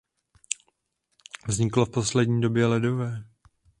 Vzniklo v poslední době ledové.